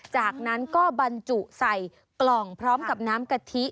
จากนั้นก็บรรจุใส่กล่องพร้อมกับน้ำกะทิ